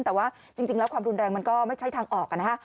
แต่ว่าจริงแล้วความรุนแรงมันก็ไม่ใช่ทางออกนะฮะ